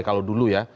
kalau dulu ya